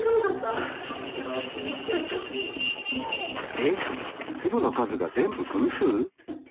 えっ⁉粒の数が全部偶数？